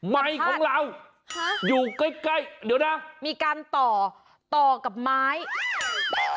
ไมค์ของเราอยู่ใกล้ใกล้เดี๋ยวนะมีการต่อต่อกับไม้